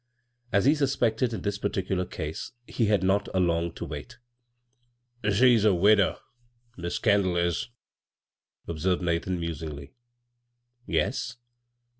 As he suspected in this particular c^ie, he had not long to wait "She's a widder — Mis' Kendall is," ob served Nathan, musingly. "Yes?"